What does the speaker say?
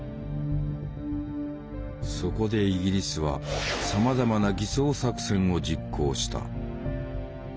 そこでイギリスはさまざまな偽装作戦を実行した。